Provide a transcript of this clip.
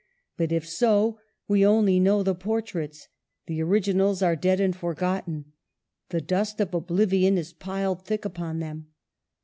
But if so, we only know the portraits ; the originals are dead and forgotten ; the dust of oblivion is piled thick upon them.